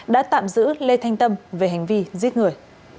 đã tạm giữ lê thanh tâm về hành vi giết người